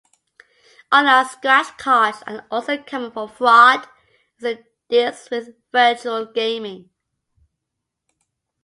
Online scratch cards are also common for fraud as it deals with virtual gaming.